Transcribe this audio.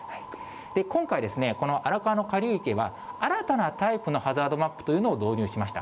今回、この荒川の下流域は、新たなタイプのハザードマップというのを導入しました。